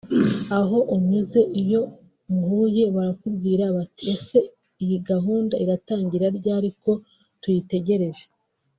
aho unyuze iyo muhuye barakubwira bati ‘ese iyi gahunda iratangira ryari ko tuyitegereje